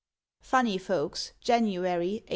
Funny Folks, January, 1884.